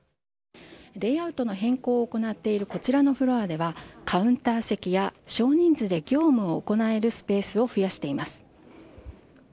レイアウトの変更を行っているこちらのフロアではカウンター席や少人数で業務を行えるスペースを増やしています。